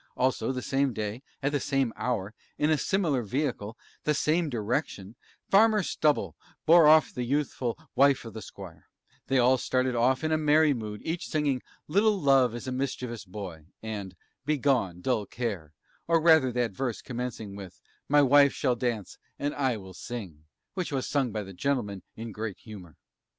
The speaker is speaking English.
Also, the same day, at the same hour, in a similar vehicle, and same direction Farmer Stubble bore off the youthful Wife of the Squire; they all started off in a merry mood, each singing 'Little Love is a Mischievous Boy,' and 'Begone Dull Care;' or rather that verse commencing with 'My Wife shall Dance, and I will Sing' which was sung by the gentlemen in great humour.